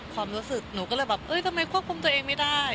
ความรู้สึกหนูก็เลยแบบเอ้ยทำไมควบคุมตัวเองไม่ได้